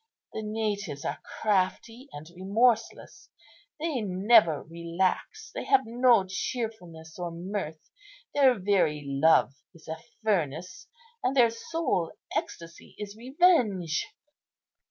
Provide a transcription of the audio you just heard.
The natives are crafty and remorseless; they never relax; they have no cheerfulness or mirth; their very love is a furnace, and their sole ecstasy is revenge."